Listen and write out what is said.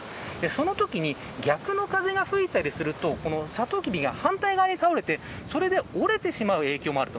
そのときに逆の風が吹いたりするとサトウキビが、反対側に倒れてそれで折れてしまう影響もある。